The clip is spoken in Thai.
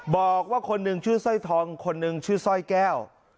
บอกว่าคนหนึ่งชื่อสร้อยทองคนหนึ่งชื่อสร้อยแก้ว